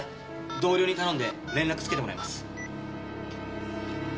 同僚に頼んで連絡つけてもらいます。